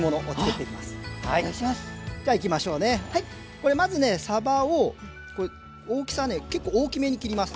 これまずねさばを大きさね結構大きめに切ります。